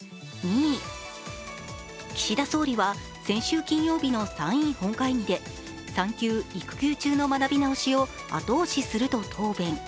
岸田総理は先週金曜日の参院本会議で産休・育休中の学び直しを後押しすると答弁。